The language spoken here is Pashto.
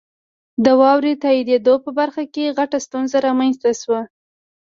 د واورئ تائیدو په برخه کې غټه ستونزه رامنځته شوي.